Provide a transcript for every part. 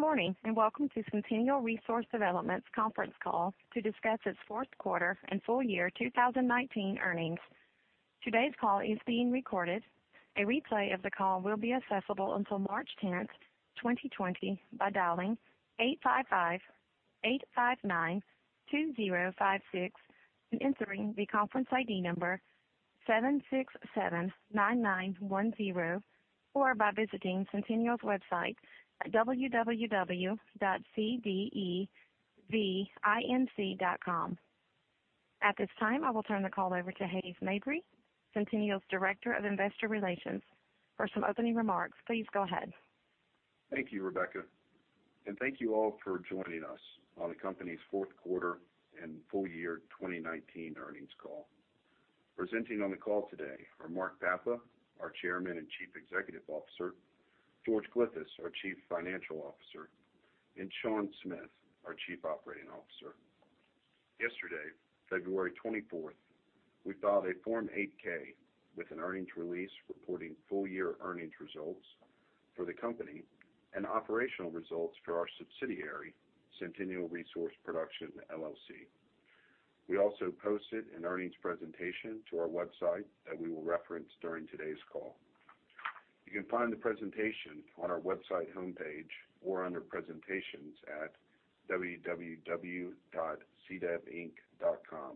Good morning, and welcome to Centennial Resource Development's conference call to discuss its fourth-quarter and full year 2019 earnings. Today's call is being recorded. A replay of the call will be accessible until March 10th, 2020, by dialing eight five five eight five nine two zero five six and entering the conference ID number 7679910, or by visiting Centennial's website at www.cdevinc.com. At this time, I will turn the call over to Hays Mabry, Centennial's Director of Investor Relations, for some opening remarks. Please go ahead. Thank you, Rebecca. Thank you all for joining us on the company's fourth quarter and full year 2019 earnings call. Presenting on the call today are Mark Papa, our Chairman and Chief Executive Officer, George Glyphis, our Chief Financial Officer, and Sean Smith, our Chief Operating Officer. Yesterday, February 24th, we filed a Form 8-K with an earnings release reporting full-year earnings results for the company and operational results for our subsidiary, Centennial Resource Production, LLC. We also posted an earnings presentation to our website that we will reference during today's call. You can find the presentation on our website homepage or under presentations at www.cdevinc.com.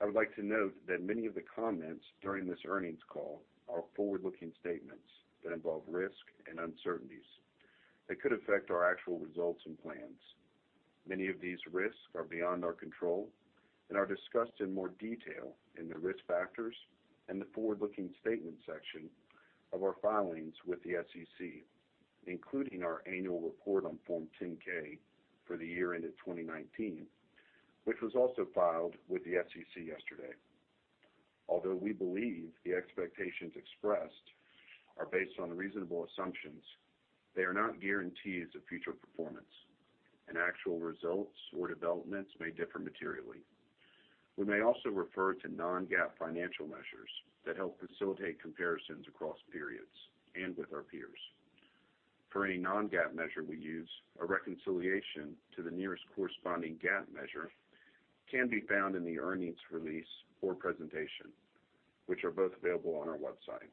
I would like to note that many of the comments during this earnings call are forward-looking statements that involve risk and uncertainties that could affect our actual results and plans. Many of these risks are beyond our control and are discussed in more detail in the risk factors and the forward-looking statement section of our filings with the SEC, including our annual report on Form 10-K for the year ended 2019, which was also filed with the SEC yesterday. Although we believe the expectations expressed are based on reasonable assumptions, they are not guarantees of future performance, and actual results or developments may differ materially. We may also refer to non-GAAP financial measures that help facilitate comparisons across periods and with our peers. For any non-GAAP measure we use, a reconciliation to the nearest corresponding GAAP measure can be found in the earnings release or presentation, which are both available on our website.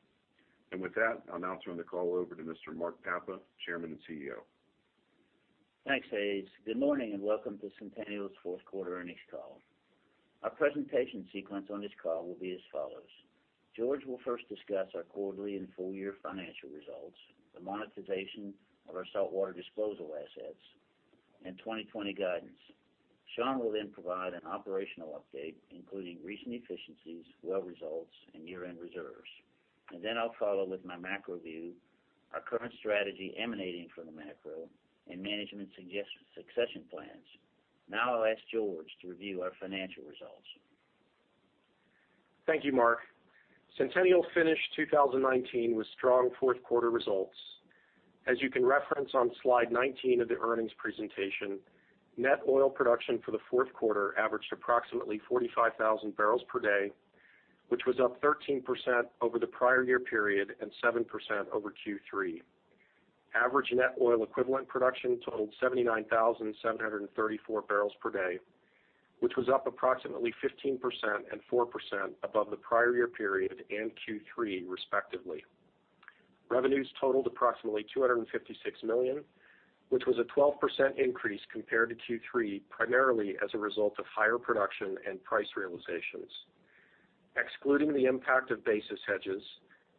With that, I'll now turn the call over to Mr. Mark Papa, Chairman and CEO. Thanks, Hays. Good morning, and welcome to Centennial's fourth-quarter earnings call. Our presentation sequence on this call will be as follows. George will first discuss our quarterly and full-year financial results, the monetization of our saltwater disposal assets, and 2020 guidance. Sean will then provide an operational update, including recent efficiencies, well results, and year-end reserves. Then I'll follow with my macro view, our current strategy emanating from the macro, and management succession plans. Now I'll ask George to review our financial results. Thank you, Mark. Centennial finished 2019 with strong fourth-quarter results. As you can reference on slide 19 of the earnings presentation, net oil production for the fourth quarter averaged approximately 45,000 bpd, which was up 13% over the prior year period and 7% over Q3. Average net oil equivalent production totaled 79,734 bpd, which was up approximately 15% and 4% above the prior year period and Q3, respectively. Revenues totaled approximately $256 million, which was a 12% increase compared to Q3, primarily as a result of higher production and price realizations. Excluding the impact of basis hedges,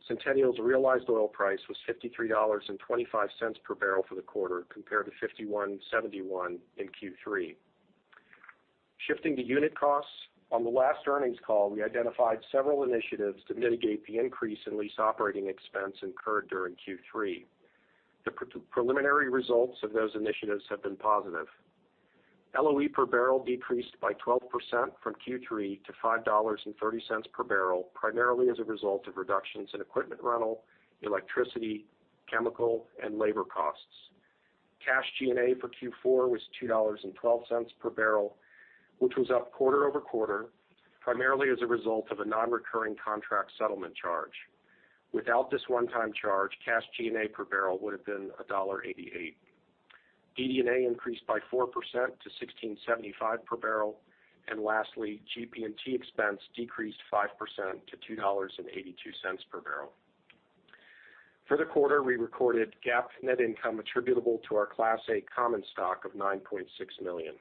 Centennial's realized oil price was $53.25 per barrel for the quarter, compared to $51.71 in Q3. Shifting to unit costs, on the last earnings call, we identified several initiatives to mitigate the increase in lease operating expense incurred during Q3. The preliminary results of those initiatives have been positive. LOE per barrel decreased by 12% from Q3 to $5.30 per barrel, primarily as a result of reductions in equipment rental, electricity, chemical, and labor costs. Cash G&A for Q4 was $2.12 per barrel, which was up quarter-over-quarter, primarily as a result of a non-recurring contract settlement charge. Without this one-time charge, cash G&A per barrel would have been $1.88. DD&A increased by 4% to $16.75 per barrel. Lastly, GP&T expense decreased 5% to $2.82 per barrel. For the quarter, we recorded GAAP net income attributable to our Class A common stock of $9.6 million.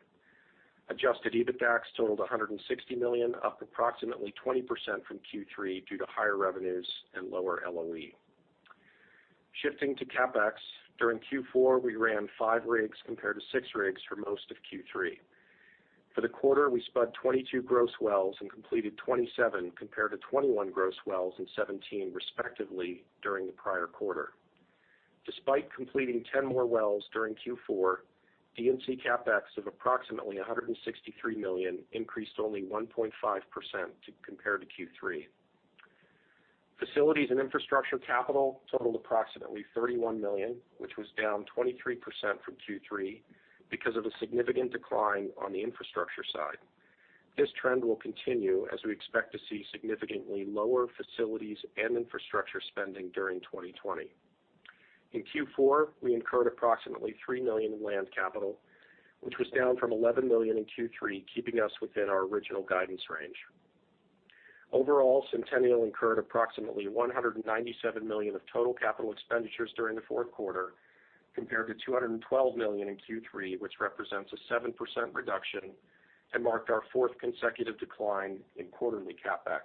Adjusted EBITDAX totaled $160 million, up approximately 20% from Q3 due to higher revenues and lower LOE. Shifting to CapEx, during Q4, we ran five rigs compared to six rigs for most of Q3. For the quarter, we spud 22 gross wells and completed 27, compared to 21 gross wells and 17, respectively, during the prior quarter. Despite completing 10 more wells during Q4, D&C CapEx of approximately $163 million increased only 1.5% compared to Q3. Facilities and infrastructure capital totaled approximately $31 million, which was down 23% from Q3 because of a significant decline on the infrastructure side. This trend will continue as we expect to see significantly lower facilities and infrastructure spending during 2020. In Q4, we incurred approximately $3 million in land capital, which was down from $11 million in Q3, keeping us within our original guidance range. Overall, Centennial incurred approximately $197 million of total capital expenditures during the fourth quarter, compared to $212 million in Q3, which represents a 7% reduction and marked our fourth consecutive decline in quarterly CapEx.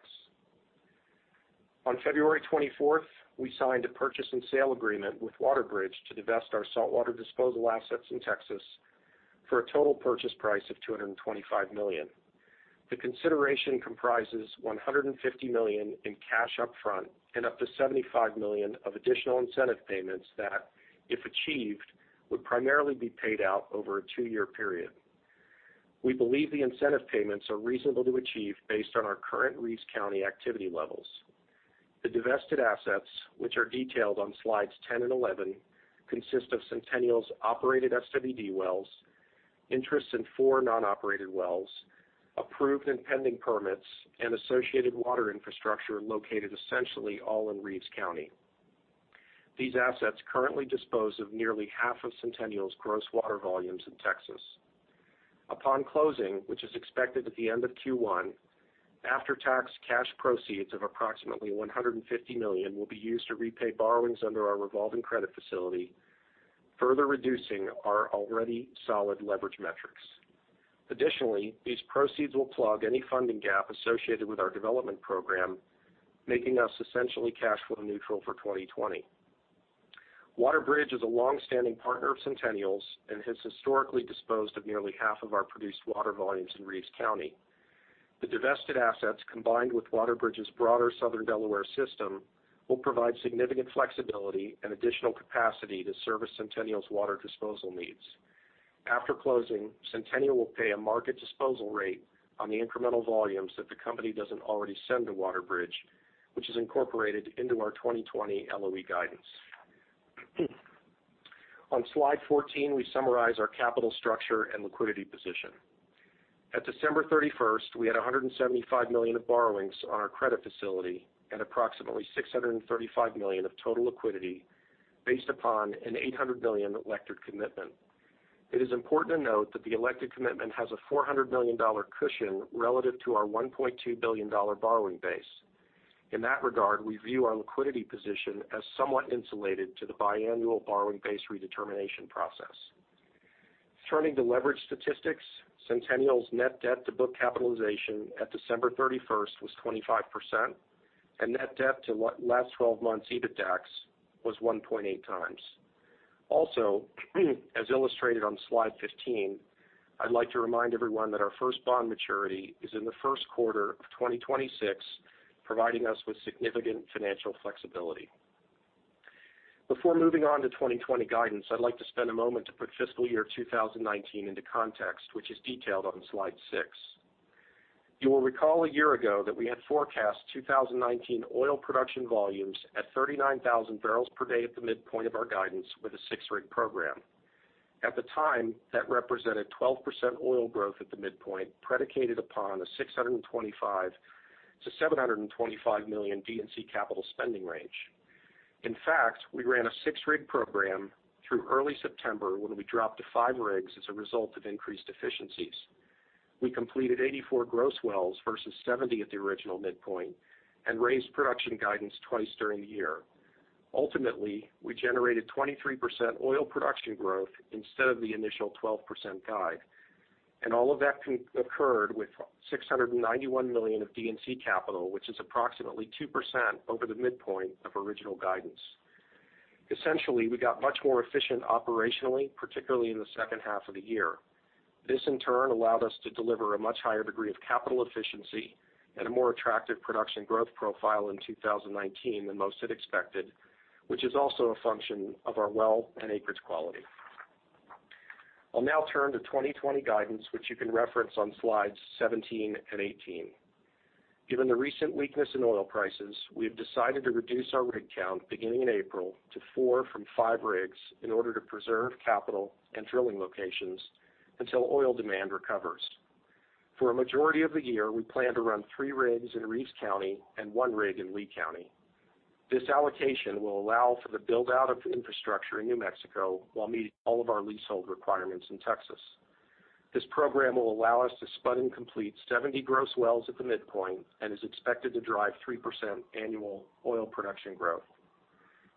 On February 24th, we signed a purchase and sale agreement with WaterBridge to divest our saltwater disposal assets in Texas for a total purchase price of $225 million. The consideration comprises $150 million in cash up front and up to $75 million of additional incentive payments that, if achieved, would primarily be paid out over a two-year period. We believe the incentive payments are reasonable to achieve based on our current Reeves County activity levels. The divested assets, which are detailed on slides 10 and 11, consist of Centennial's operated SWD wells, interests in four non-operated wells, approved and pending permits, and associated water infrastructure located essentially all in Reeves County. These assets currently dispose of nearly half of Centennial's gross water volumes in Texas. Upon closing, which is expected at the end of Q1, after-tax cash proceeds of approximately $150 million will be used to repay borrowings under our revolving credit facility, further reducing our already solid leverage metrics. Additionally, these proceeds will plug any funding gap associated with our development program, making us essentially cash flow neutral for 2020. WaterBridge is a longstanding partner of Centennial's and has historically disposed of nearly half of our produced water volumes in Reeves County. The divested assets, combined with WaterBridge's broader Southern Delaware system, will provide significant flexibility and additional capacity to service Centennial's water disposal needs. After closing, Centennial will pay a market disposal rate on the incremental volumes that the company doesn't already send to WaterBridge, which is incorporated into our 2020 LOE guidance. On slide 14, we summarize our capital structure and liquidity position. At December 31st, we had $175 million of borrowings on our credit facility and approximately $635 million of total liquidity based upon an $800 billion elected commitment. It is important to note that the elected commitment has a $400 million cushion relative to our $1.2 billion borrowing base. In that regard, we view our liquidity position as somewhat insulated to the biannual borrowing base redetermination process. Turning to leverage statistics, Centennial's net debt to book capitalization at December 31st was 25%, and net debt to last 12 months EBITDAX was 1.8x. Also, as illustrated on slide 15, I'd like to remind everyone that our first bond maturity is in the first quarter of 2026, providing us with significant financial flexibility. Before moving on to 2020 guidance, I'd like to spend a moment to put fiscal year 2019 into context, which is detailed on slide six. You will recall a year ago that we had forecast 2019 oil production volumes at 39,000 bpd at the midpoint of our guidance with a 6-rig program. At the time, that represented 12% oil growth at the midpoint, predicated upon a $625 million-$725 million D&C capital spending range. In fact, we ran a 6-rig program through early September, when we dropped to 5 rigs as a result of increased efficiencies. We completed 84 gross wells versus 70 at the original midpoint and raised production guidance twice during the year. Ultimately, we generated 23% oil production growth instead of the initial 12% guide. All of that occurred with $691 million of D&C capital, which is approximately 2% over the midpoint of original guidance. Essentially, we got much more efficient operationally, particularly in the second half of the year. This in turn allowed us to deliver a much higher degree of capital efficiency and a more attractive production growth profile in 2019 than most had expected, which is also a function of our well and acreage quality. I'll now turn to 2020 guidance, which you can reference on slides 17 and 18. Given the recent weakness in oil prices, we have decided to reduce our rig count beginning in April to four from five rigs in order to preserve capital and drilling locations until oil demand recovers. For a majority of the year, we plan to run three rigs in Reeves County and one rig in Lea County. This allocation will allow for the build-out of infrastructure in New Mexico while meeting all of our leasehold requirements in Texas. This program will allow us to spud and complete 70 gross wells at the midpoint and is expected to drive 3% annual oil production growth.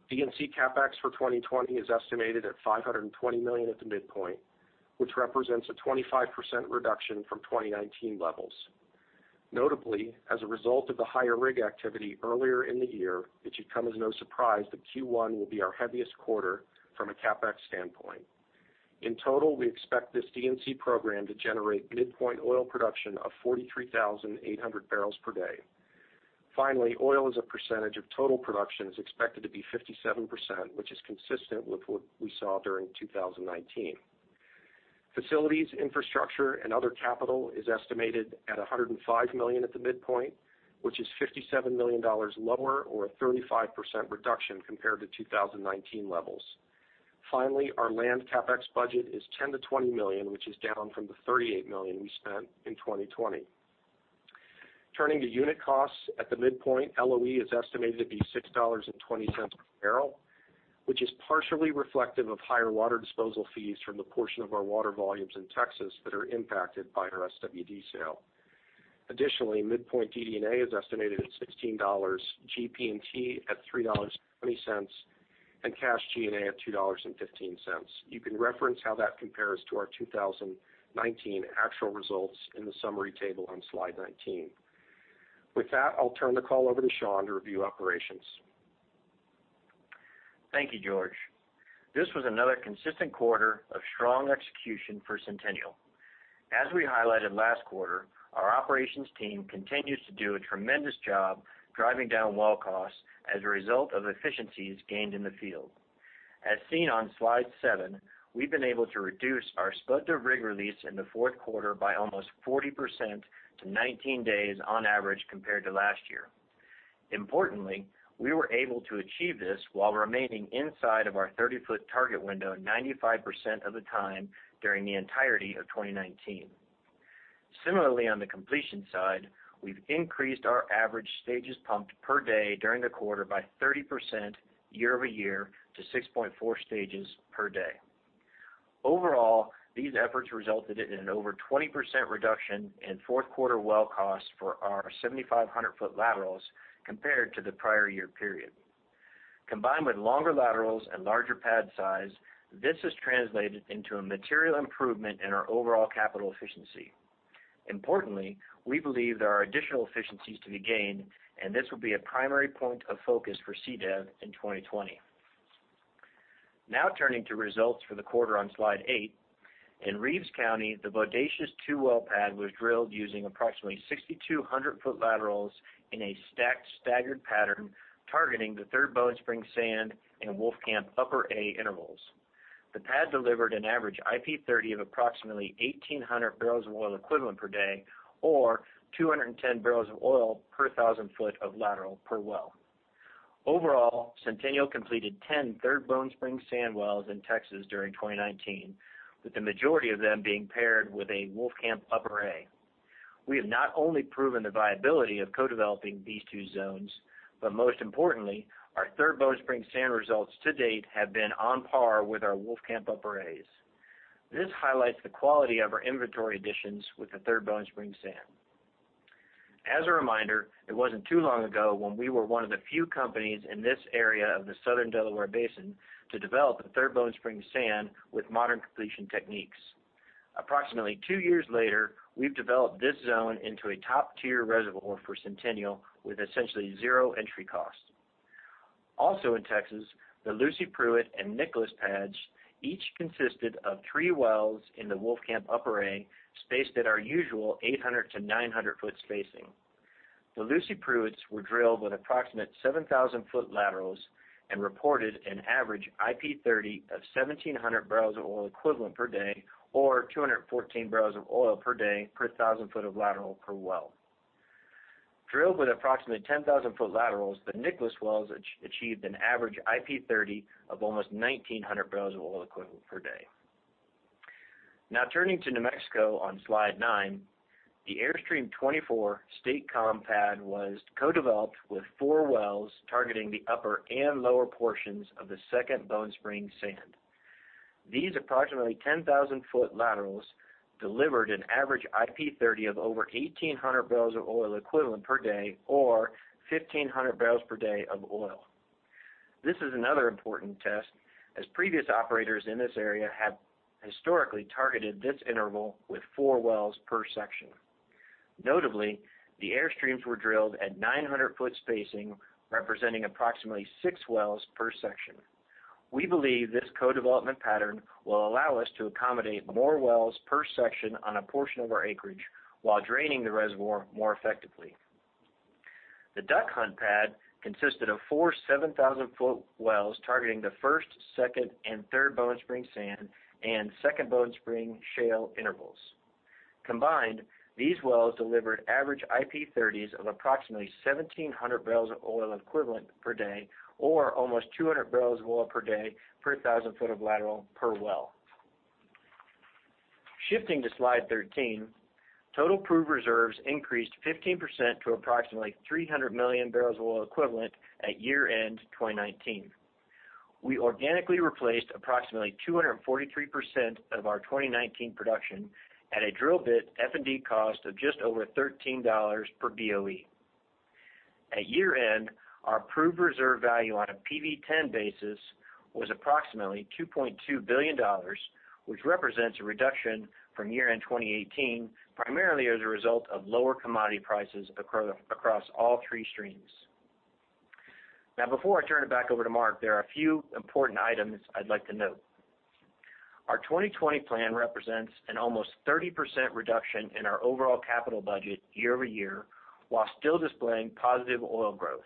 D&C CapEx for 2020 is estimated at $520 million at the midpoint, which represents a 25% reduction from 2019 levels. Notably, as a result of the higher rig activity earlier in the year, it should come as no surprise that Q1 will be our heaviest quarter from a CapEx standpoint. In total, we expect this D&C program to generate midpoint oil production of 43,800 bpd. Finally, oil as a percentage of total production is expected to be 57%, which is consistent with what we saw during 2019. Facilities, infrastructure, and other capital is estimated at $105 million at the midpoint, which is $57 million lower or a 35% reduction compared to 2019 levels. Finally, our land CapEx budget is $10 million-$20 million, which is down from the $38 million we spent in 2020. Turning to unit costs at the midpoint, LOE is estimated to be $6.20 per barrel, which is partially reflective of higher water disposal fees from the portion of our water volumes in Texas that are impacted by our SWD sale. Additionally, midpoint DD&A is estimated at $16, GP&T at $3.20, and cash G&A at $2.15. You can reference how that compares to our 2019 actual results in the summary table on slide 19. With that, I'll turn the call over to Sean to review operations. Thank you, George. This was another consistent quarter of strong execution for Centennial. As we highlighted last quarter, our operations team continues to do a tremendous job driving down well costs as a result of efficiencies gained in the field. As seen on slide seven, we've been able to reduce our spud to rig release in the fourth quarter by almost 40% to 19 days on average, compared to last year. Importantly, we were able to achieve this while remaining inside of our 30-foot target window 95% of the time during the entirety of 2019. Similarly, on the completion side, we've increased our average stages pumped per day during the quarter by 30% year-over-year to 6.4 stages per day. Overall, these efforts resulted in an over 20% reduction in fourth quarter well costs for our 7,500-foot laterals compared to the prior year period. Combined with longer laterals and larger pad size, this has translated into a material improvement in our overall capital efficiency. Importantly, we believe there are additional efficiencies to be gained, and this will be a primary point of focus for CDEV in 2020. Now turning to results for the quarter on slide eight. In Reeves County, the Bodacious two-well pad was drilled using approximately 6,200-foot laterals in a stacked staggered pattern, targeting the Third Bone Spring Sand and Wolfcamp Upper A intervals. The pad delivered an average IP 30 of approximately 1,800 bbl of oil equivalent per day or 210 bbl of oil per 1,000 foot of lateral per well. Overall, Centennial completed 10 Third Bone Spring Sand wells in Texas during 2019, with the majority of them being paired with a Wolfcamp Upper A. We have not only proven the viability of co-developing these two zones, but most importantly, our Third Bone Spring Sand results to date have been on par with our Wolfcamp Upper As. This highlights the quality of our inventory additions with the Third Bone Spring Sand. As a reminder, it wasn't too long ago when we were one of the few companies in this area of the Southern Delaware Basin to develop a Third Bone Spring Sand with modern completion techniques. Approximately two years later, we've developed this zone into a top-tier reservoir for Centennial with essentially zero entry cost. Also in Texas, the Lucy Pruett and Nicholas pads each consisted of three wells in the Wolfcamp Upper A, spaced at our usual 800 to 900-foot spacing. The Lucy Pruetts were drilled with approximate 7,000-foot laterals and reported an average IP 30 of 1,700 bbl of oil equivalent per day or 214 bbl of oil per day per 1,000 foot of lateral per well. Drilled with approximately 10,000-foot laterals, the Nicholas wells achieved an average IP 30 of almost 1,900 bbl of oil equivalent per day. Turning to New Mexico on slide nine, the Airstream 24 State Com pad was co-developed with four wells targeting the upper and lower portions of the Second Bone Spring sand. These approximately 10,000-foot laterals delivered an average IP 30 of over 1,800 bbl of oil equivalent per day or 1,500 bpd of oil. This is another important test, as previous operators in this area have historically targeted this interval with four wells per section. Notably, the Airstreams were drilled at 900-foot spacing, representing approximately six wells per section. We believe this co-development pattern will allow us to accommodate more wells per section on a portion of our acreage, while draining the reservoir more effectively. The Duck Hunt pad consisted of four 7,000-foot wells targeting the First, Second, and Third Bone Spring Sand and Second Bone Spring Shale intervals. Combined, these wells delivered average IP 30s of approximately 1,700 bbl of oil equivalent per day or almost 200 bbl of oil per day per 1,000 foot of lateral per well. Shifting to slide 13, total proved reserves increased 15% to approximately 300 million bbl of oil equivalent at year-end 2019. We organically replaced approximately 243% of our 2019 production at a drill bit F&D cost of just over $13 per BOE. At year-end, our proved reserve value on a PV10 basis was approximately $2.2 billion, which represents a reduction from year-end 2018, primarily as a result of lower commodity prices across all three streams. Before I turn it back over to Mark, there are a few important items I'd like to note. Our 2020 plan represents an almost 30% reduction in our overall capital budget year-over-year, while still displaying positive oil growth.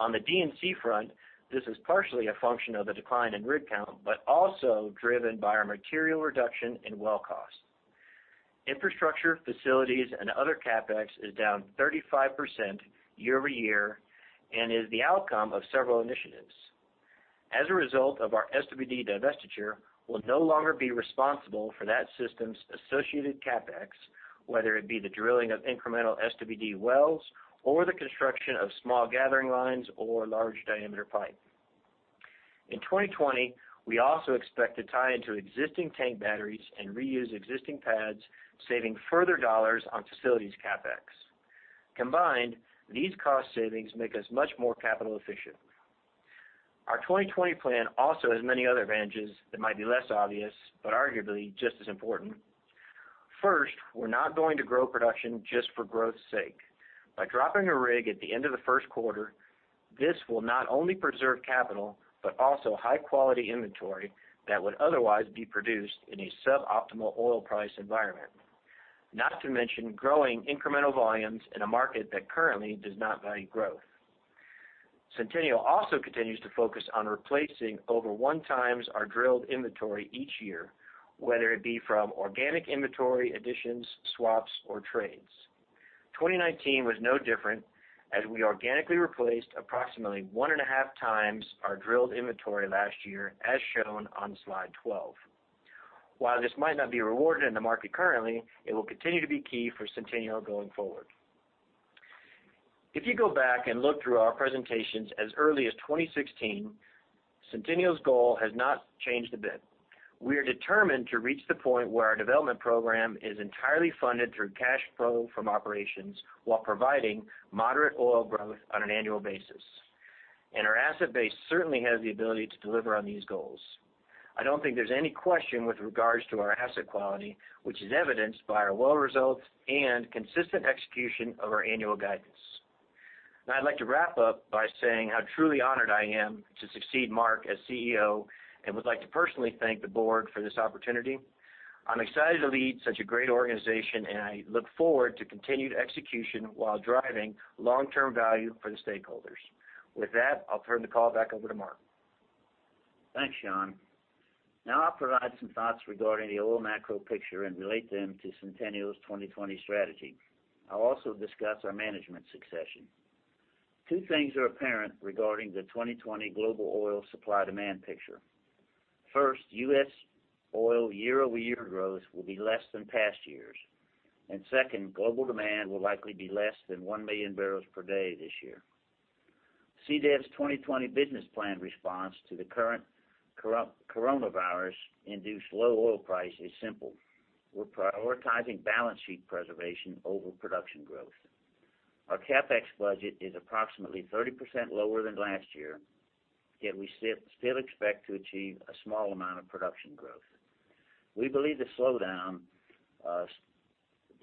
On the D&C front, this is partially a function of the decline in rig count, but also driven by our material reduction in well cost. Infrastructure facilities and other CapEx is down 35% year-over-year and is the outcome of several initiatives. As a result of our SWD divestiture, we'll no longer be responsible for that system's associated CapEx, whether it be the drilling of incremental SWD wells or the construction of small gathering lines or large-diameter pipe. In 2020, we also expect to tie into existing tank batteries and reuse existing pads, saving further dollars on facilities CapEx. Combined, these cost savings make us much more capital efficient. Our 2020 plan also has many other advantages that might be less obvious, but arguably just as important. First, we're not going to grow production just for growth's sake. By dropping a rig at the end of the first quarter, this will not only preserve capital, but also high-quality inventory that would otherwise be produced in a suboptimal oil price environment. Not to mention growing incremental volumes in a market that currently does not value growth. Centennial also continues to focus on replacing over 1x our drilled inventory each year, whether it be from organic inventory additions, swaps, or trades. 2019 was no different, as we organically replaced approximately 1.5x our drilled inventory last year, as shown on slide 12. While this might not be rewarded in the market currently, it will continue to be key for Centennial going forward. If you go back and look through our presentations as early as 2016, Centennial's goal has not changed a bit. We are determined to reach the point where our development program is entirely funded through cash flow from operations while providing moderate oil growth on an annual basis. Our asset base certainly has the ability to deliver on these goals. I don't think there's any question with regards to our asset quality, which is evidenced by our well results and consistent execution of our annual guidance. Now I'd like to wrap up by saying how truly honored I am to succeed Mark as CEO and would like to personally thank the Board for this opportunity. I'm excited to lead such a great organization, and I look forward to continued execution while driving long-term value for the stakeholders. With that, I'll turn the call back over to Mark. Thanks, Sean. Now I'll provide some thoughts regarding the oil macro picture and relate them to Centennial's 2020 strategy. I'll also discuss our management succession. Two things are apparent regarding the 2020 global oil supply-demand picture. First, U.S. oil year-over-year growth will be less than past years. Second, global demand will likely be less than 1 MMbpd this year. CDEV's 2020 business plan response to the current coronavirus-induced low oil price is simple. We're prioritizing balance sheet preservation over production growth. Our CapEx budget is approximately 30% lower than last year, yet we still expect to achieve a small amount of production growth. We believe the slowdown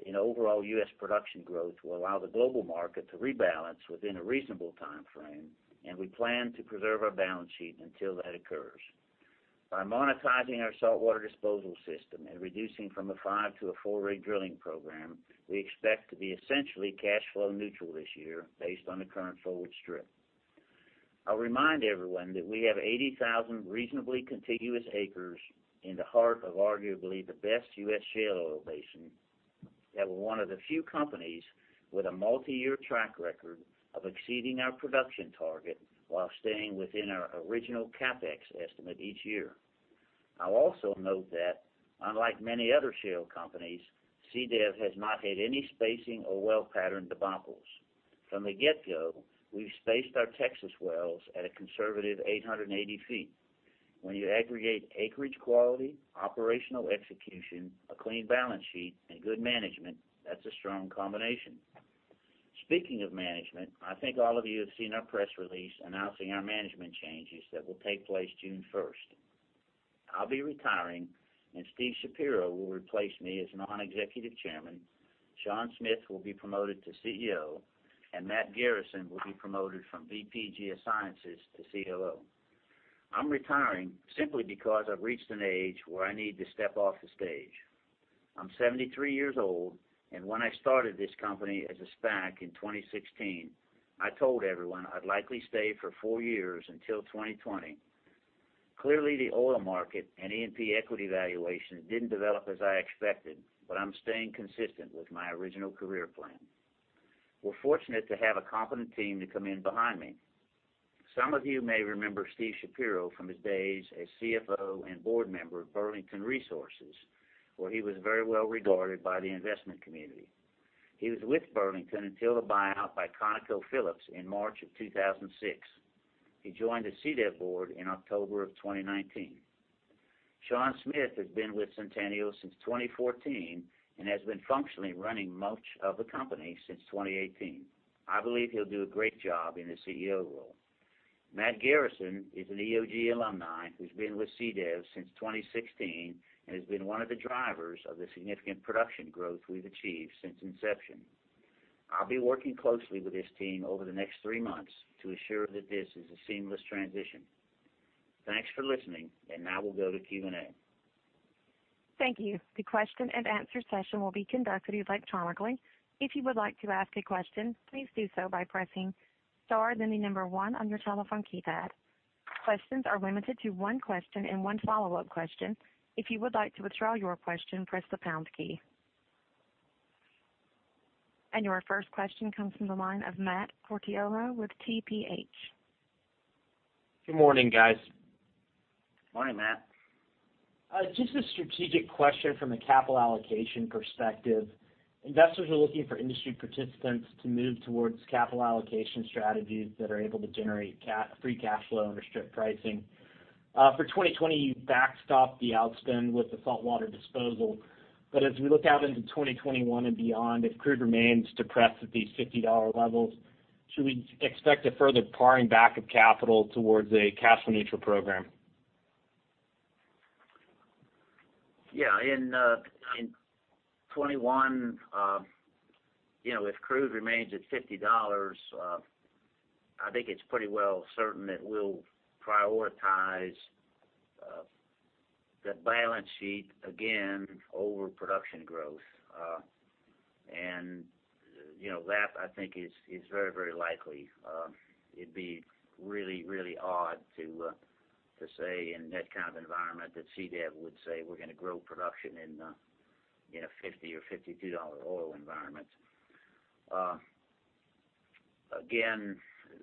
in overall U.S. production growth will allow the global market to rebalance within a reasonable time frame, and we plan to preserve our balance sheet until that occurs. By monetizing our saltwater disposal system and reducing from a five to a four-rig drilling program, we expect to be essentially cash flow neutral this year based on the current forward strip. I'll remind everyone that we have 80,000 reasonably contiguous acres in the heart of arguably the best U.S. shale oil basin, and we're one of the few companies with a multi-year track record of exceeding our production target while staying within our original CapEx estimate each year. I'll also note that, unlike many other shale companies, CDEV has not had any spacing or well pattern debacles. From the get-go, we've spaced our Texas wells at a conservative 880 feet. When you aggregate acreage quality, operational execution, a clean balance sheet, and good management, that's a strong combination. Speaking of management, I think all of you have seen our press release announcing our management changes that will take place June 1st. I'll be retiring, and Steven Shapiro will replace me as Non-Executive Chairman, Sean Smith will be promoted to CEO, and Matt Garrison will be promoted from VP Geosciences to COO. I'm retiring simply because I've reached an age where I need to step off the stage. I'm 73 years old, and when I started this company as a SPAC in 2016, I told everyone I'd likely stay for four years until 2020. Clearly, the oil market and E&P equity valuation didn't develop as I expected, but I'm staying consistent with my original career plan. We're fortunate to have a competent team to come in behind me. Some of you may remember Steven Shapiro from his days as CFO and board member of Burlington Resources, where he was very well regarded by the investment community. He was with Burlington until the buyout by ConocoPhillips in March of 2006. He joined the CDEV board in October of 2019. Sean Smith has been with Centennial since 2014 and has been functionally running much of the company since 2018. I believe he'll do a great job in his CEO role. Matt Garrison is an EOG alumni who's been with CDEV since 2016 and has been one of the drivers of the significant production growth we've achieved since inception. I'll be working closely with this team over the next three months to ensure that this is a seamless transition. Thanks for listening, and now we'll go to Q&A. Thank you. The question-and-answer session will be conducted electronically. If you would like to ask a question, please do so by pressing star, then the number one on your telephone keypad. Questions are limited to one question and one follow-up question. If you would like to withdraw your question, press the pound key. Your first question comes from the line of Matt Portillo with TPH. Good morning, guys. Morning, Matt. Just a strategic question from a capital allocation perspective. Investors are looking for industry participants to move towards capital allocation strategies that are able to generate free cash flow under strip pricing. For 2020, you backstop the outspend with the saltwater disposal. As we look out into 2021 and beyond, if crude remains depressed at these $50 levels, should we expect a further paring back of capital towards a cash flow neutral program? Yeah. In 2021, if crude remains at $50, I think it's pretty well certain that we'll prioritize the balance sheet again over production growth. That, I think is very likely. It'd be really odd to say in that kind of environment that CDEV would say we're going to grow production in a $50 or $52 oil environment. Again,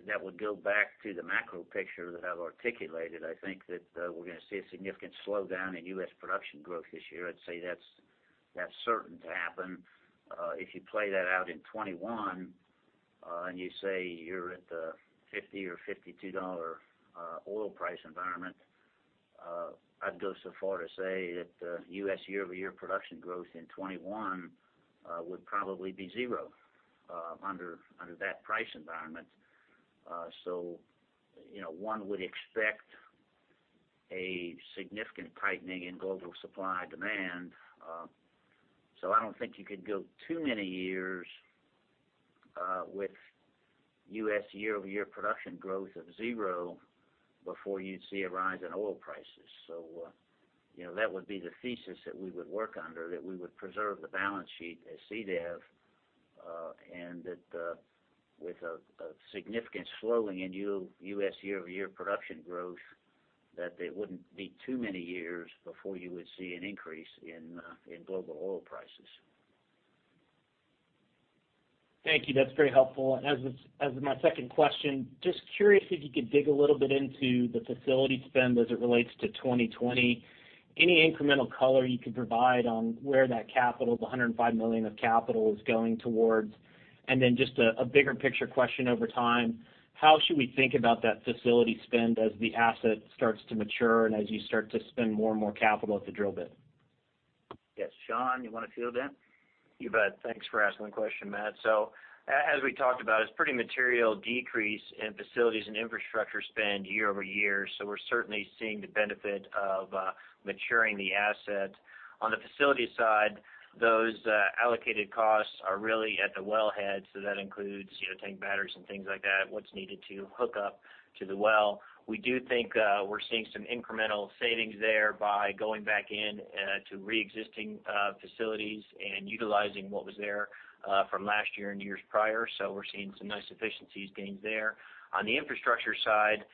that would go back to the macro picture that I've articulated. I think that we're going to see a significant slowdown in U.S. production growth this year. I'd say that's certain to happen. If you play that out in 2021, you say you're at the $50 or $52 oil price environment, I'd go so far to say that U.S. year-over-year production growth in 2021 would probably be zero under that price environment. One would expect a significant tightening in global supply demand. I don't think you could go too many years with U.S. year-over-year production growth of zero before you'd see a rise in oil prices. That would be the thesis that we would work under, that we would preserve the balance sheet at CDEV, and that with a significant slowing in U.S. year-over-year production growth, that it wouldn't be too many years before you would see an increase in global oil prices. Thank you. That's very helpful. As with my second question, just curious if you could dig a little bit into the facility spend as it relates to 2020. Any incremental color you could provide on where that $105 million of capital is going towards? Then just a bigger picture question over time, how should we think about that facility spend as the asset starts to mature and as you start to spend more and more capital at the drill bit? Yes. Sean, you want to field that? You bet. Thanks for asking the question, Matt. As we talked about, it's a pretty material decrease in facilities and infrastructure spend year-over-year. We're certainly seeing the benefit of maturing the asset. On the facility side, those allocated costs are really at the wellhead, so that includes tank batteries and things like that, what's needed to hook up to the well. We do think we're seeing some incremental savings there by going back in to preexisting facilities and utilizing what was there from last year and years prior. We're seeing some nice efficiencies gains there. On the infrastructure side,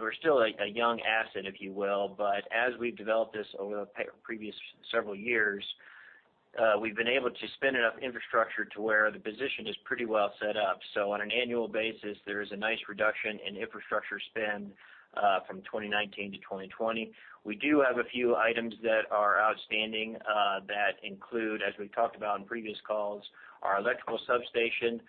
we're still a young asset, if you will, but as we've developed this over the previous several years, we've been able to spin enough infrastructure to where the position is pretty well set up. On an annual basis, there is a nice reduction in infrastructure spend from 2019 to 2020. We do have a few items that are outstanding that include, as we've talked about on previous calls, our electrical substation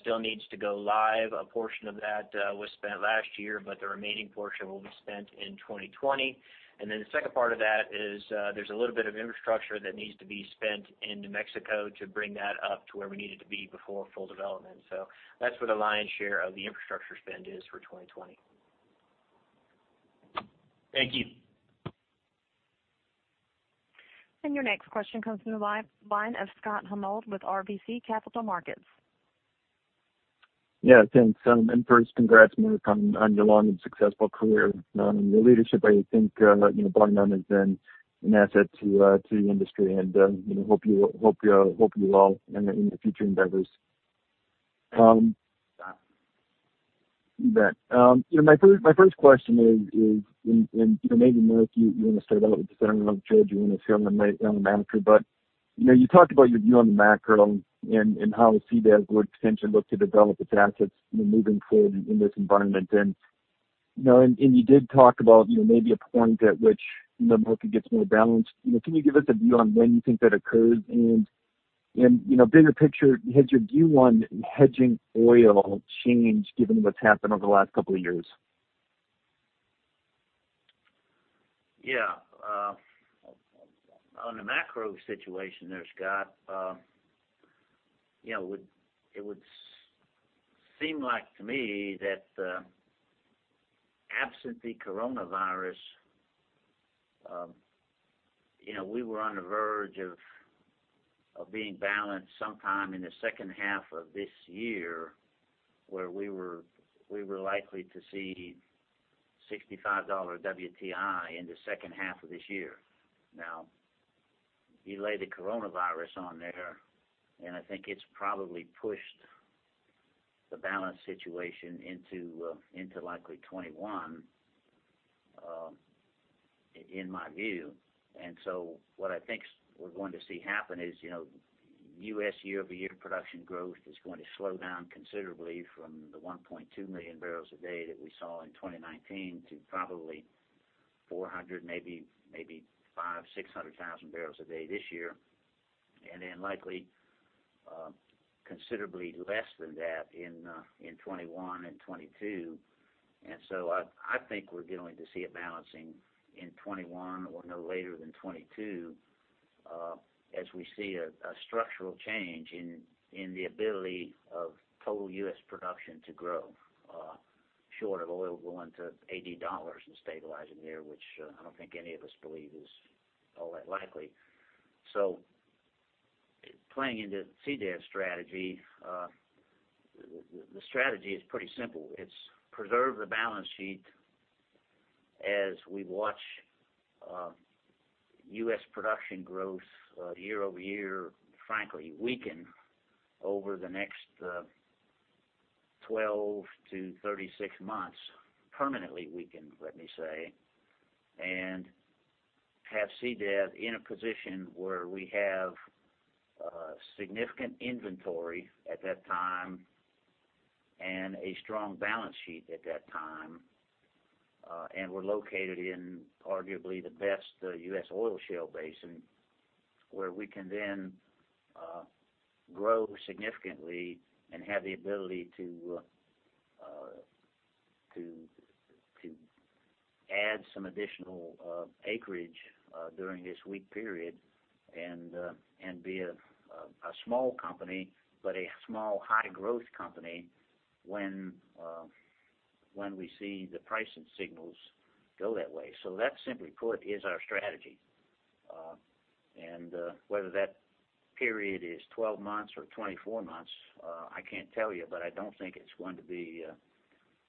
still needs to go live. A portion of that was spent last year, but the remaining portion will be spent in 2020. The second part of that is there's a little bit of infrastructure that needs to be spent in New Mexico to bring that up to where we need it to be before full development. That's where the lion's share of the infrastructure spend is for 2020. Thank you. Your next question comes from the line of Scott Hanold with RBC Capital Markets. Yeah, thanks. First, congrats, Mark, on your long and successful career. Your leadership, I think bottom line has been an asset to the industry, and hope you well in your future endeavors. My first question is, and maybe, Mark, you want to start out with this, I don't know, George, you want to field on the manager, but you talked about your view on the macro and how CDEV would potentially look to develop its assets moving forward in this environment. You did talk about maybe a point at which the market gets more balanced. Can you give us a view on when you think that occurs? Bigger picture, has your view on hedging oil changed given what's happened over the last couple of years? Yeah. On the macro situation there, Scott, it would seem like to me that absent the coronavirus, we were on the verge of being balanced sometime in the second half of this year, where we were likely to see $65 WTI in the second half of this year. You lay the coronavirus on there, and I think it's probably pushed the balance situation into likely 2021, in my view. What I think we're going to see happen is, U.S. year-over-year production growth is going to slow down considerably from the 1.2 million bbl a day that we saw in 2019 to probably 400,000, maybe 500,000, 600,000 bbl a day this year. Likely, considerably less than that in 2021 and 2022. I think we're going to see it balancing in 2021 or no later than 2022, as we see a structural change in the ability of total U.S. production to grow, short of oil going to $80 and stabilizing there, which I don't think any of us believe is all that likely. Playing into CDEV's strategy, the strategy is pretty simple. It's preserve the balance sheet as we watch U.S. production growth year-over-year, frankly, weaken over the next 12 to 36 months. Permanently weaken, let me say, and have CDEV in a position where we have significant inventory at that time and a strong balance sheet at that time. We're located in arguably the best U.S. oil shale basin, where we can then grow significantly and have the ability to add some additional acreage during this weak period and be a small company, but a small, high-growth company when we see the pricing signals go that way. That, simply put, is our strategy. Whether that period is 12 months or 24 months, I can't tell you, but I don't think it's going to be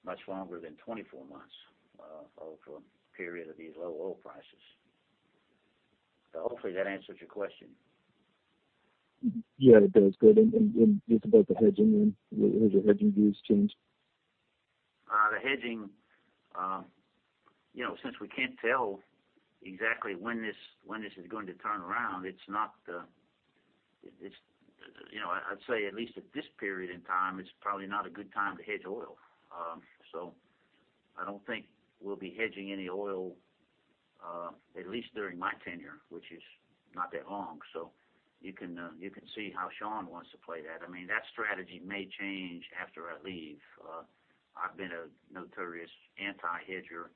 much longer than 24 months of a period of these low oil prices. Hopefully that answers your question. Yeah, it does. Good. Just about the hedging, then, has your hedging views changed? The hedging, since we can't tell exactly when this is going to turn around, I'd say at least at this period in time, it's probably not a good time to hedge oil. I don't think we'll be hedging any oil, at least during my tenure, which is not that long. You can see how Sean wants to play that. That strategy may change after I leave. I've been a notorious anti-hedger.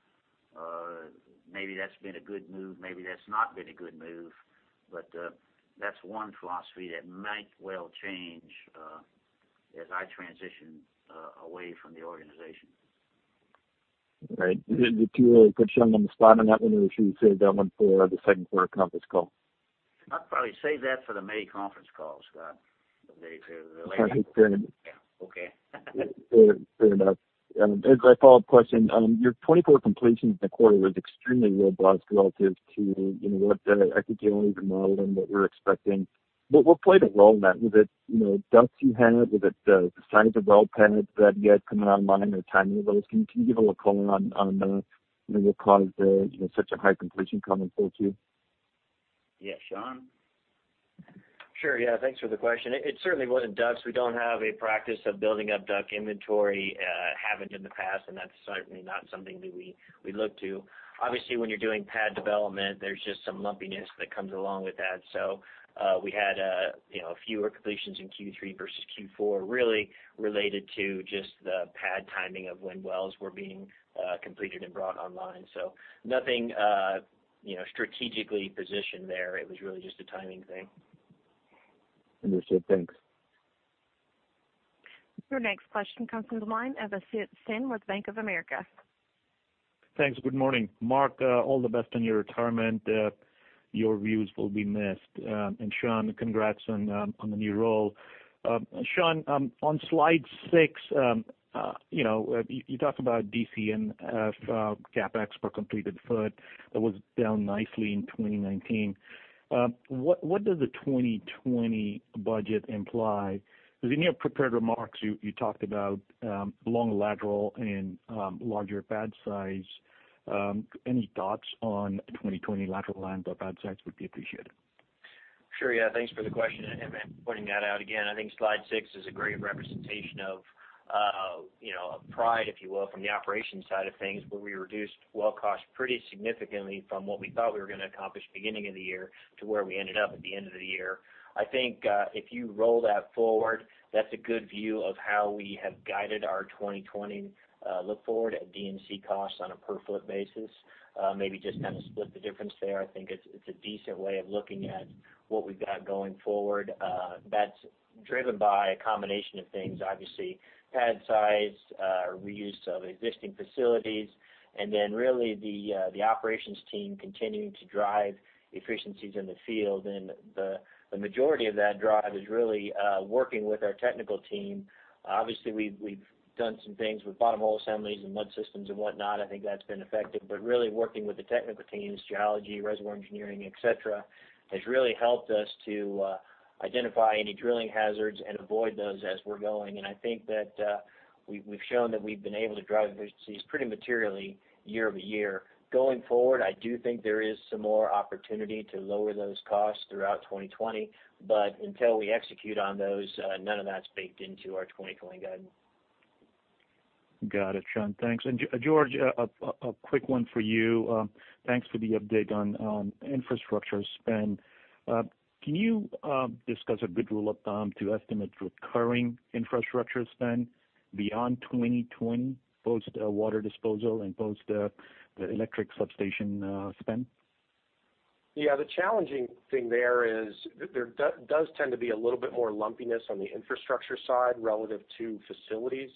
Maybe that's been a good move, maybe that's not been a good move, that's one philosophy that might well change as I transition away from the organization. Right. Did you put Sean on the spot on that one, or should we save that one for the second quarter conference call? I'd probably save that for the May conference call, Scott. Fair enough. Yeah. Okay. Fair enough. As a follow-up question, your 24 completions in the quarter was extremely robust relative to what I think you only modeled and what we were expecting. What played a role in that? Was it DUCs you had? Was it the size of well pads that you had coming online or timing of those? Can you give a little color on what caused such a high completion coming forward to you? Yeah. Sean? Sure. Yeah. Thanks for the question. It certainly wasn't DUCs. We don't have a practice of building up DUC inventory, haven't in the past, and that's certainly not something that we look to. When you're doing pad development, there's just some lumpiness that comes along with that. We had fewer completions in Q3 versus Q4, really related to just the pad timing of when wells were being completed and brought online. Nothing strategically positioned there. It was really just a timing thing. Understood. Thanks. Your next question comes from the line of Asit Sen with Bank of America. Thanks. Good morning. Mark, all the best on your retirement. Your views will be missed. Sean, congrats on the new role. Sean, on slide six, you talk about DC&F, CapEx per completed foot. That was down nicely in 2019. What does the 2020 budget imply? In your prepared remarks, you talked about long lateral and larger pad size. Any thoughts on 2020 lateral length or pad size would be appreciated. Sure. Yeah. Thanks for the question and pointing that out again. I think slide six is a great representation of pride, if you will, from the operations side of things, where we reduced well cost pretty significantly from what we thought we were going to accomplish beginning of the year to where we ended up at the end of the year. I think if you roll that forward, that's a good view of how we have guided our 2020 look-forward at D&C costs on a per foot basis. Maybe just split the difference there. I think it's a decent way of looking at what we've got going forward. That's driven by a combination of things, obviously, pad size, reuse of existing facilities, and then really the operations team continuing to drive efficiencies in the field. The majority of that drive is really working with our technical team. Obviously, we've done some things with bottom hole assemblies and mud systems and whatnot. I think that's been effective. Really working with the technical teams, geology, reservoir engineering, et cetera, has really helped us to identify any drilling hazards and avoid those as we're going. I think that we've shown that we've been able to drive efficiencies pretty materially year-over-year. Going forward, I do think there is some more opportunity to lower those costs throughout 2020, but until we execute on those, none of that's baked into our 2020 guidance. Got it, Sean. Thanks. George, a quick one for you. Thanks for the update on infrastructure spend. Can you discuss a good rule of thumb to estimate recurring infrastructure spend beyond 2020, post water disposal and post the electric substation spend? Yeah, the challenging thing there is there does tend to be a little bit more lumpiness on the infrastructure side relative to facilities.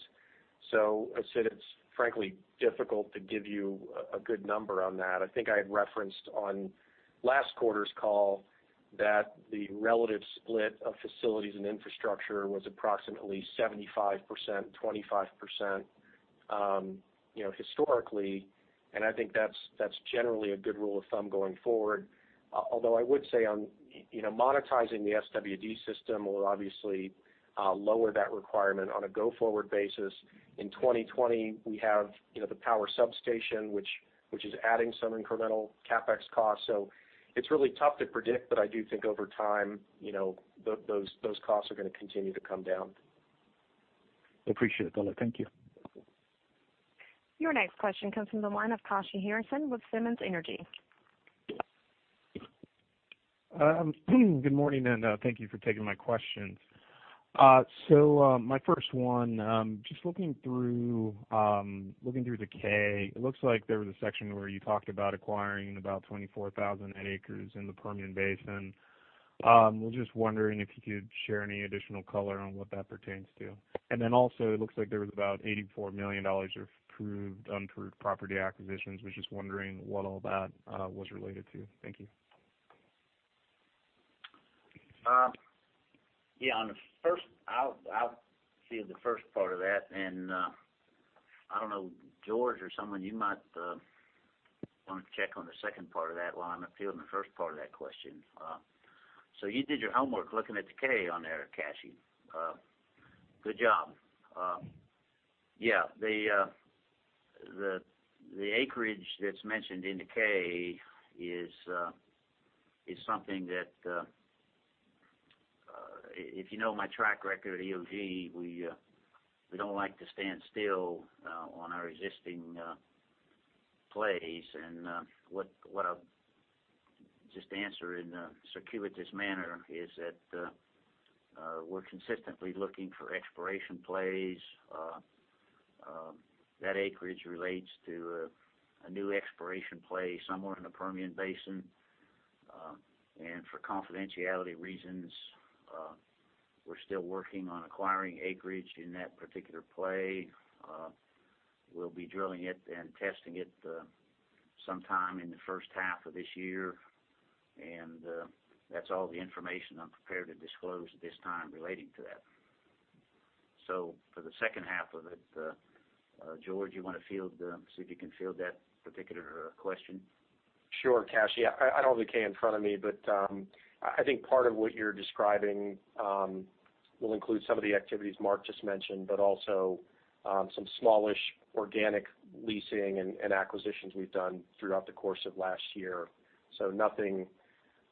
I'd say it's frankly difficult to give you a good number on that. I think I had referenced on last quarter's call that the relative split of facilities and infrastructure was approximately 75%/25% historically, and I think that's generally a good rule of thumb going forward. I would say monetizing the SWD system will obviously lower that requirement on a go-forward basis. In 2020, we have the power substation, which is adding some incremental CapEx costs. It's really tough to predict, but I do think over time, those costs are going to continue to come down. Appreciate it. Thank you. Your next question comes from the line of Kashy Harrison with Simmons Energy. Good morning. Thank you for taking my questions. My first one, just looking through the K, it looks like there was a section where you talked about acquiring about 24,000 acres in the Permian Basin. Was just wondering if you could share any additional color on what that pertains to. Also, it looks like there was about $84 million of proved, unproved property acquisitions. Was just wondering what all that was related to. Thank you. Yeah, on the first, I'll field the first part of that, and I don't know, George or someone, you might want to check on the second part of that while I'm fielding the first part of that question. You did your homework looking at the K on there, Kashy. Good job. Yeah, the acreage that's mentioned in the K is something that, if you know my track record at EOG, we don't like to stand still on our existing plays. What I'll just answer in a circuitous manner is that we're consistently looking for exploration plays. That acreage relates to a new exploration play somewhere in the Permian Basin. For confidentiality reasons, we're still working on acquiring acreage in that particular play. We'll be drilling it and testing it sometime in the first half of this year. That's all the information I'm prepared to disclose at this time relating to that. For the second half of it, George, you want to see if you can field that particular question? Sure, Kashy. I don't have the K in front of me, but I think part of what you're describing will include some of the activities Mark just mentioned, but also some smallish organic leasing and acquisitions we've done throughout the course of last year. Nothing,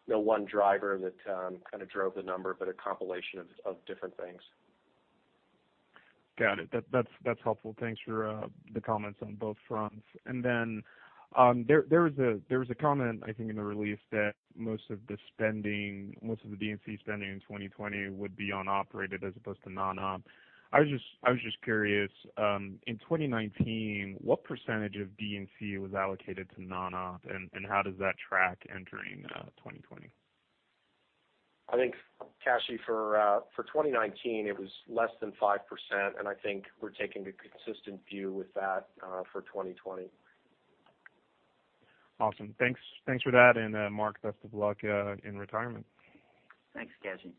no one driver that drove the number, but a compilation of different things. Got it. That's helpful. Thanks for the comments on both fronts. There was a comment, I think, in the release that most of the D&C spending in 2020 would be on operated as opposed to non-op. I was just curious, in 2019, what percentage of D&C was allocated to non-op, and how does that track entering 2020? I think, Kashy, for 2019, it was less than 5%, and I think we're taking a consistent view with that for 2020. Awesome. Thanks for that. Mark, best of luck in retirement. Thanks, Kashy.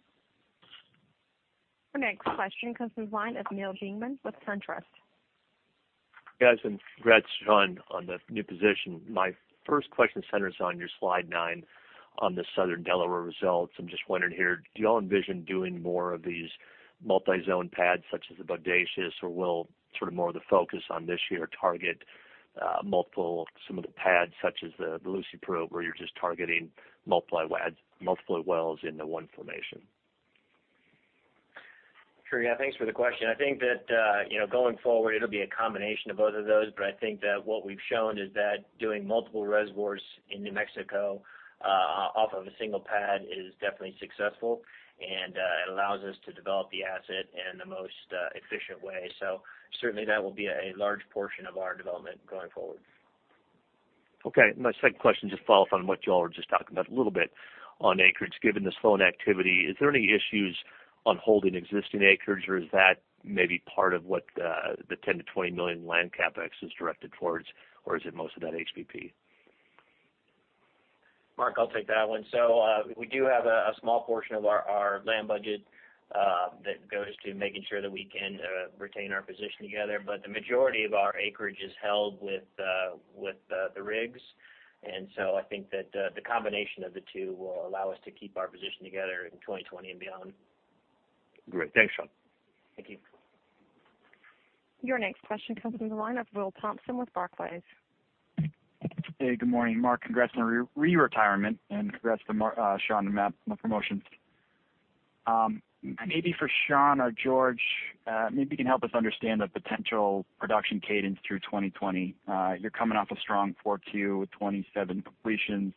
Our next question comes from the line of Neal Dingmann with SunTrust. Guys, congrats, Sean, on the new position. My first question centers on your Slide nine on the Southern Delaware results. I'm just wondering here, do you all envision doing more of these multi-zone pads such as the Bodacious, or will more of the focus on this year target multiple some of the pads such as the Lucy Pruett, where you're just targeting multiple wells in the one formation? Sure, yeah. Thanks for the question. I think that going forward, it'll be a combination of both of those, but I think that what we've shown is that doing multiple reservoirs in New Mexico off of a single pad is definitely successful, and it allows us to develop the asset in the most efficient way. Certainly that will be a large portion of our development going forward. Okay, my second question just follows on what you all were just talking about a little bit on acreage. Given the slowing activity, is there any issues on holding existing acreage, or is that maybe part of what the $10 million-$20 million land CapEx is directed towards, or is it most of that HBP? Mark, I'll take that one. We do have a small portion of our land budget that goes to making sure that we can retain our position together, but the majority of our acreage is held with the rigs. I think that the combination of the two will allow us to keep our position together in 2020 and beyond. Great. Thanks, Sean. Thank you. Your next question comes from the line of Will Thompson with Barclays. Hey, good morning. Mark, congrats on re-retirement, and congrats to Sean and Matt on the promotions. Maybe for Sean or George, maybe you can help us understand the potential production cadence through 2020. You're coming off a strong 4Q with 27 completions.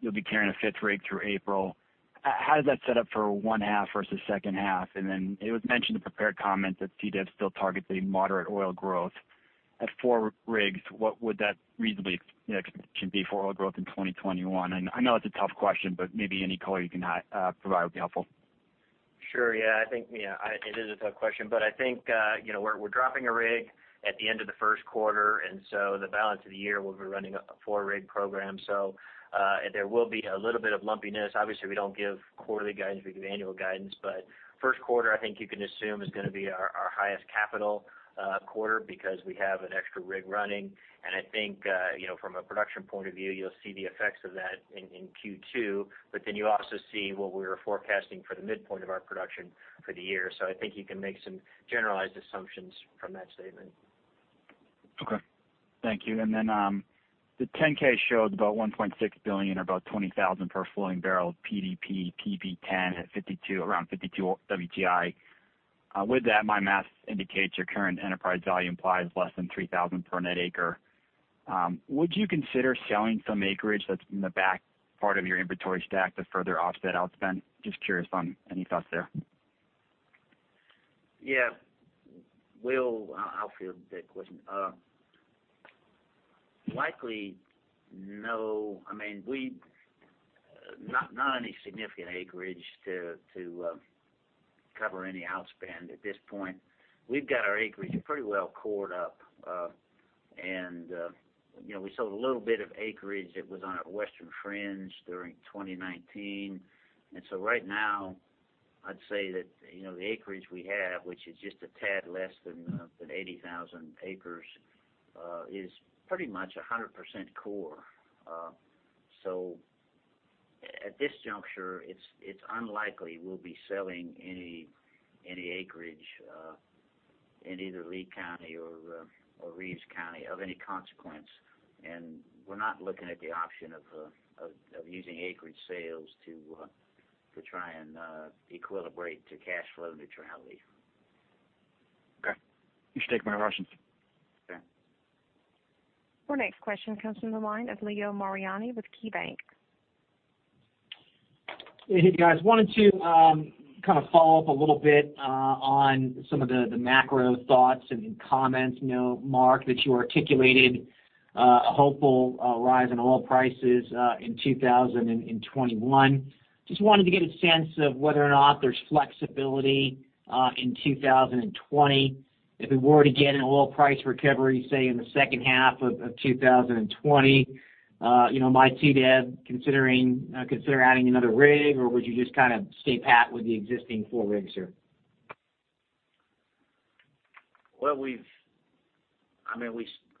You'll be carrying a fifth rig through April. How does that set up for one half versus second half? Then it was mentioned in prepared comments that CDEV still targets a moderate oil growth. At four rigs, what would that reasonable expectation be for oil growth in 2021? I know it's a tough question, but maybe any color you can provide would be helpful. Sure, yeah. It is a tough question, but I think we're dropping a rig at the end of the first quarter, and so the balance of the year, we'll be running a 4-rig program. Obviously, we don't give quarterly guidance, we give annual guidance. First quarter, I think you can assume is going to be our highest capital quarter because we have an extra rig running. I think, from a production point of view, you'll see the effects of that in Q2. You also see what we were forecasting for the midpoint of our production for the year. I think you can make some generalized assumptions from that statement. Okay. Thank you. The 10-K showed about $1.6 billion or about 20,000 per flowing barrel PDP, PV10 at around 52 WTI. With that, my math indicates your current enterprise value implies less than 3,000 per net acre. Would you consider selling some acreage that's in the back part of your inventory stack to further offset outspend? Just curious on any thoughts there. Yeah. Will, I'll field that question. Likely, no. Not any significant acreage to cover any outspend at this point. We've got our acreage pretty well cored up. We sold a little bit of acreage that was on our western fringe during 2019. Right now, I'd say that the acreage we have, which is just a tad less than 80,000 acres, is pretty much 100% core. At this juncture, it's unlikely we'll be selling any acreage in either Lea County or Reeves County of any consequence. We're not looking at the option of using acreage sales to try and equilibrate to cash flow neutrality. Okay. Thanks for taking my questions. Okay. Our next question comes from the line of Leo Mariani with KeyBank. Hey, guys. Wanted to follow up a little bit on some of the macro thoughts and comments Mark, that you articulated a hopeful rise in oil prices in 2021. Just wanted to get a sense of whether or not there's flexibility in 2020. If we were to get an oil price recovery, say, in the second half of 2020, might CDEV consider adding another rig, or would you just stay pat with the existing four rigs here?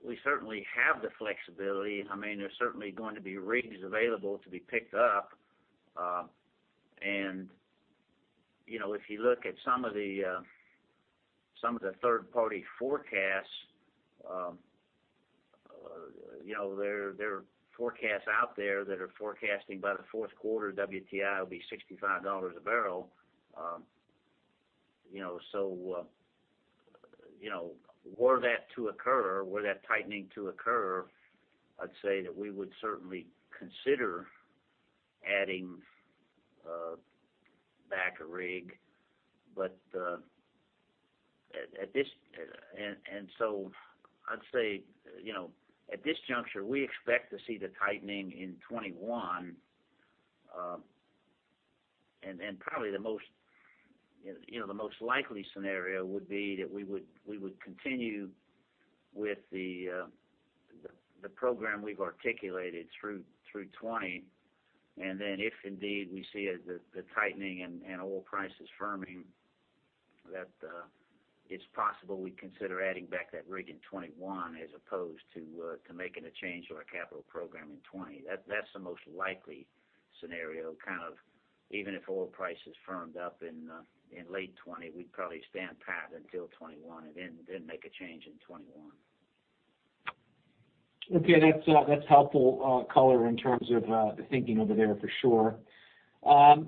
We certainly have the flexibility. There's certainly going to be rigs available to be picked up. If you look at some of the third-party forecasts, there are forecasts out there that are forecasting by the fourth quarter, WTI will be $65 a barrel. Were that to occur, were that tightening to occur, I'd say that we would certainly consider adding back a rig. I'd say, at this juncture, we expect to see the tightening in 2021. Probably the most likely scenario would be that we would continue with the program we've articulated through 2020. If indeed we see the tightening and oil prices firming, that it's possible we consider adding back that rig in 2021 as opposed to making a change to our capital program in 2020. That's the most likely scenario. Even if oil prices firmed up in late 2020, we'd probably stand pat until 2021 and then make a change in 2021. Okay. That's helpful color in terms of the thinking over there for sure.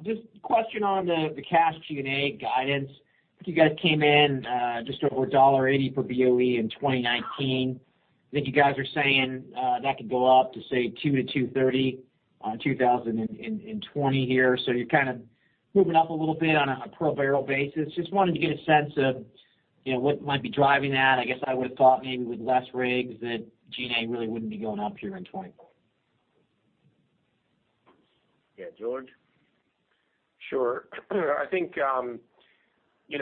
Just a question on the cash G&A guidance. You guys came in just over $1.80 per BOE in 2019. I think you guys are saying that could go up to, say, $2-$2.30 in 2020 here. You're moving up a little bit on a per-barrel basis. Just wanted to get a sense of what might be driving that. I guess I would have thought maybe with less rigs that G&A really wouldn't be going up here in 2020. Yeah. George? Sure. I think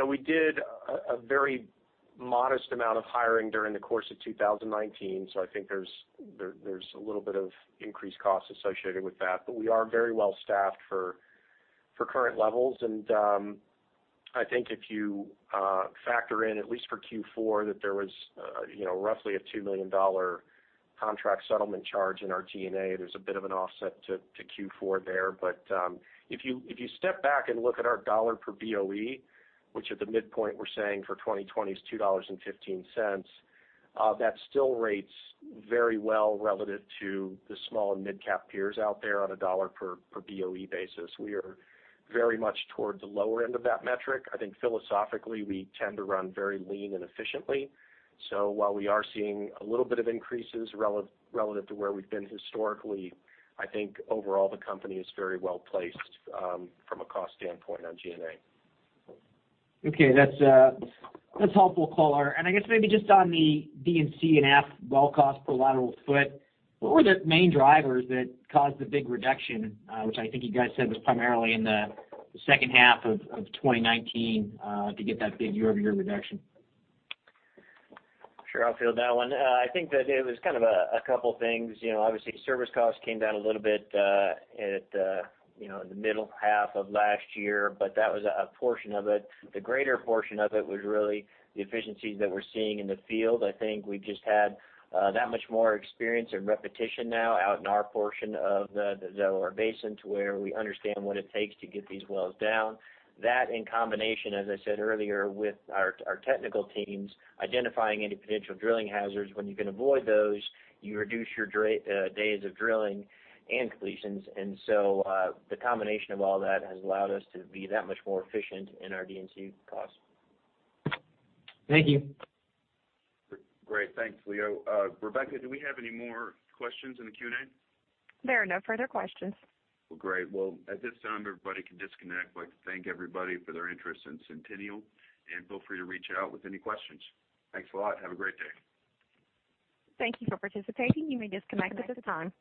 we did a very modest amount of hiring during the course of 2019. I think there's a little bit of increased cost associated with that. We are very well-staffed for current levels. I think if you factor in, at least for Q4, that there was roughly a $2 million contract settlement charge in our G&A, there's a bit of an offset to Q4 there. If you step back and look at our dollar per BOE, which at the midpoint we're saying for 2020 is $2.15, that still rates very well relative to the small and mid-cap peers out there on a dollar per BOE basis. We are very much towards the lower end of that metric. I think philosophically, we tend to run very lean and efficiently. While we are seeing a little bit of increases relative to where we've been historically, I think overall the company is very well-placed from a cost standpoint on G&A. Okay. That's helpful color. I guess maybe just on the D&C and F well cost per lateral foot, what were the main drivers that caused the big reduction, which I think you guys said was primarily in the second half of 2019 to get that big year-over-year reduction? Sure. I'll field that one. I think that it was a couple things. Obviously, service costs came down a little bit in the middle half of last year. That was a portion of it. The greater portion of it was really the efficiencies that we're seeing in the field. I think we've just had that much more experience and repetition now out in our portion of the Delaware Basin to where we understand what it takes to get these wells down. That, in combination, as I said earlier, with our technical teams identifying any potential drilling hazards. When you can avoid those, you reduce your days of drilling and completions. The combination of all that has allowed us to be that much more efficient in our D&C cost. Thank you. Great. Thanks, Leo. Rebecca, do we have any more questions in the Q&A? There are no further questions. Well, great. Well, at this time, everybody can disconnect. I'd like to thank everybody for their interest in Centennial, and feel free to reach out with any questions. Thanks a lot. Have a great day. Thank you for participating. You may disconnect at this time.